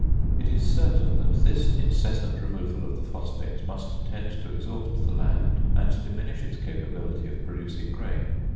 It is certain that this incessant removal of the phosphates must tend to exhaust the land and diminish its capability of producing grain.